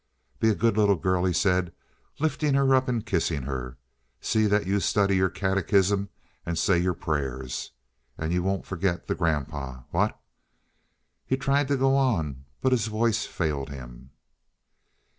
"Be a good little girl," he said, lifting her up and kissing her. "See that you study your catechism and say your prayers. And you won't forget the grandpa—what?—" He tried to go on, but his voice failed him.